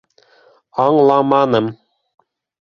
Аңламаным...